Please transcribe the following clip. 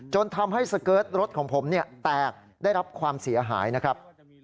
จนทำให้สเกิร์ตรถของผมแตกได้รับความเสียหายนะครับ